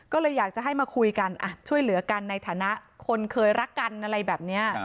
ก็เลยอยากจะให้มาคุยกันช่วยเหลือกันในฐานะคนเคยรักกันอะไรแบบนี้